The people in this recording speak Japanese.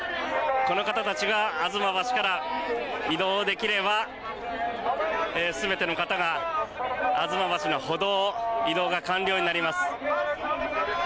この方たちが吾妻橋から移動できれば全ての方が吾妻橋の歩道を移動が完了になります。